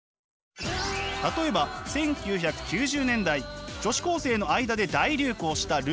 例えば１９９０年代女子高生の間で大流行したルーズソックス。